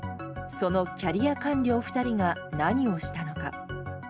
そのキャリア官僚２人が何をしたのか。